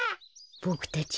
ボクたち